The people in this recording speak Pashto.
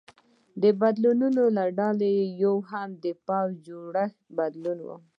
د بدلونونو له ډلې یو هم د پوځ جوړښت بدلول و